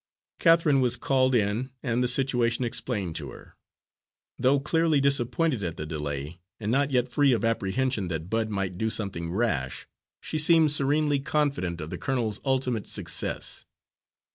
Catharine was called in and the situation explained to her. Though clearly disappointed at the delay, and not yet free of apprehension that Bud might do something rash, she seemed serenely confident of the colonel's ultimate success.